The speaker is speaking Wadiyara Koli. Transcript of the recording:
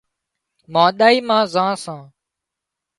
مانۮائي مان زان سان